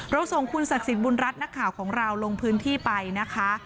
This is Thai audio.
ส่งคุณศักดิ์สิทธิบุญรัฐนักข่าวของเราลงพื้นที่ไปนะคะ